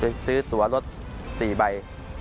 ซื้อตัวรถ๔ใบ